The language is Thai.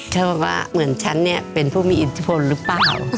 เธอบอกว่าเหมือนฉันเนี่ยเป็นผู้มีอิทธิพลหรือเปล่า